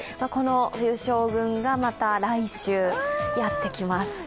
この冬将軍がまた来週やってきます。